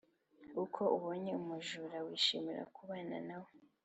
Uko ubonye umujura wishimira kubana na we.